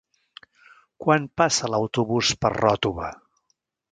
Quan passa l'autobús per Ròtova?